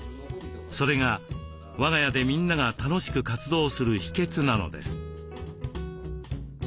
それが「和がや」でみんなが楽しく活動する秘けつなのです。